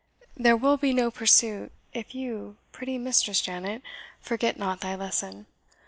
There will be no pursuit, if you, pretty Mistress Janet, forget not thy lesson."